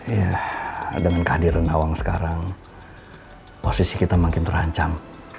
iya dengan kehadiran awang sekarang posisi kita makin terancam